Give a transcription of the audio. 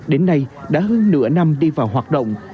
đến nay đã hơn nửa năm đi vào hoạt động